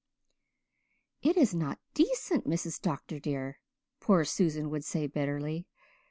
"It is not decent, Mrs. Dr. dear," poor Susan would say bitterly.